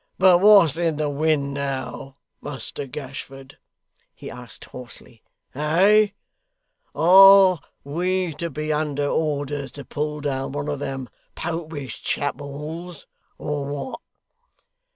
But what's in the wind now, Muster Gashford,' he asked hoarsely, 'Eh? Are we to be under orders to pull down one of them Popish chapels or what?